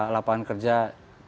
lapangan kerja cukup banyak